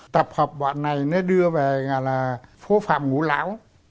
tập hợp bạn này nó đưa về là phố phạm ngũ lão